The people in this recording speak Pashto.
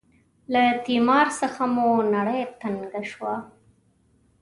له تیمار څخه مو نړۍ تنګه شوه.